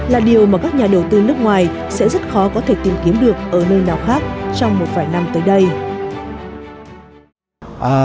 là điều mà các nhà đầu tư nước ngoài sẽ rất khó có thể tìm kiếm được ở nơi nào khác trong một vài năm tới đây